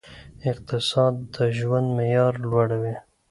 اقتصاد د ژوند معیار لوړوي.